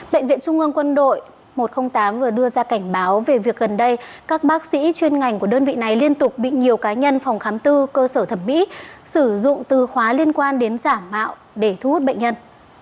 bệnh viện trung ương quân đội một trăm linh tám vừa đưa ra cảnh báo về việc gần đây các bác sĩ chuyên ngành của đơn vị này liên tục bị nhiều cá nhân phòng khám tư cơ sở thẩm mỹ sử dụng từ khóa liên quan đến giả mạo để thu hút bệnh nhân